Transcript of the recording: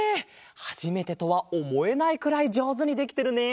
はじめてとはおもえないくらいじょうずにできてるね。